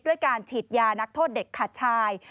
การฉีดยานักโทษเด็กขาดชาย